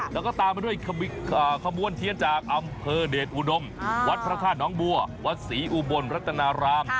แล้วก็ตามมาด้วยขบวนเทียนจากอำเภอเดชอุดมวัดพระธาตุน้องบัววัดศรีอุบลรัตนาราม